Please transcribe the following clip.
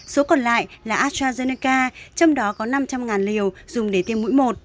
số còn lại là astrazeneca trong đó có năm trăm linh liều dùng để tiêm mũi một